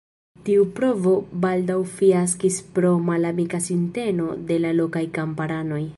Tiu provo baldaŭ fiaskis pro malamika sinteno de la lokaj kamparanoj.